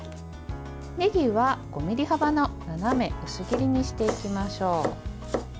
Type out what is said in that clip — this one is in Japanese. ねぎは５ｍｍ幅の斜め薄切りにしていきましょう。